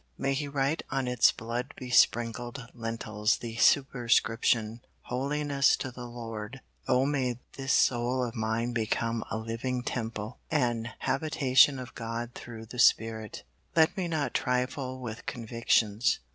May He write on its blood besprinkled lintels the superscription, "Holiness to the Lord." Oh may this soul of mine become a living temple, an "habitation of God through the Spirit." Let me not trifle with convictions.